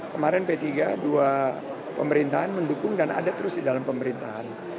kemarin p tiga dua pemerintahan mendukung dan ada terus di dalam pemerintahan